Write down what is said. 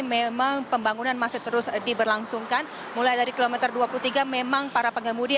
memang pembangunan masih terus diberlangsungkan mulai dari kilometer dua puluh tiga memang para pengemudi